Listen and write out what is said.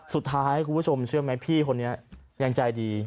สุดท้ายคุณผู้ชมเชื่อมั้ยพี่คนนี้ยังใจดี